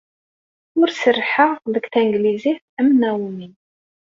Ur serrḥeɣ deg tanglizit am Naomi.